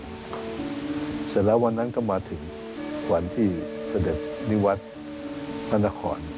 เสร็จแล้ววันนั้นก็มาถึงวันที่เสด็จนิวัฒน์พระนคร